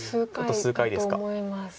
あと数回ですか。